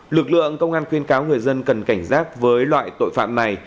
lực lượng công an khuyên cáo người dân cần cảnh giác với loại tội phạm này